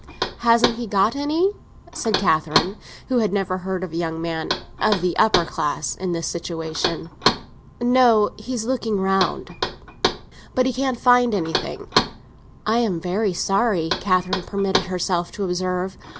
"Hasn't he got any?" said Catherine, who had never heard of a young man—of the upper class—in this situation. "No; he's looking round. But he can't find anything." "I am very sorry," Catherine permitted herself to observe.